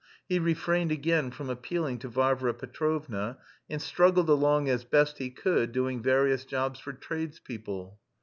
He refrained again from appealing to Varvara Petrovna, and struggled along as best he could, doing various jobs for tradespeople.